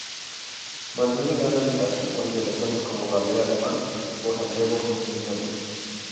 Mantiene gran amistad con intelectuales como Gabriel Alomar o Santiago Rusiñol.